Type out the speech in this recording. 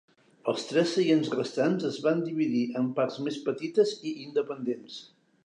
Els tres seients restants es van dividir en parts més petites i independents.